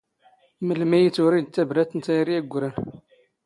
ⵎⵍⵎⵉ ⵉ ⵜⵓⵔⵉⴷ ⵜⴰⴱⵔⴰⵜ ⵏ ⵜⴰⵢⵔⵉ ⵉⴳⴳⵯⵔⴰⵏ?